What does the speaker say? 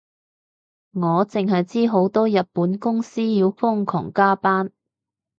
我淨係知好多日本公司要瘋狂加班